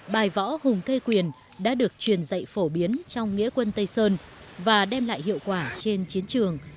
bài võ hùng thê quyền đã được truyền dạy phổ biến trong nghĩa quân tây sơn và đem lại hiệu quả trên chiến trường